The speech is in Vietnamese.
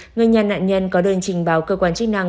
người nhà nạn nhân có đơn trình báo cơ quan chức năng